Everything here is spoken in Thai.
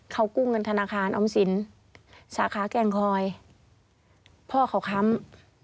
เขากู้เงินธนาคารออมสินสาขาแก่งคอยพ่อเขาค้ำ